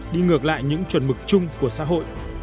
đi ngược lại những chuẩn mực chung của xã hội